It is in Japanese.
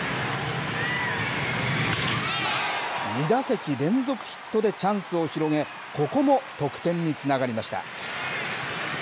２打席連続ヒットでチャンスを広げ、ここも得点につながりました。